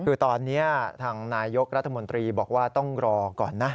คือตอนนี้ทางนายยกรัฐมนตรีบอกว่าต้องรอก่อนนะ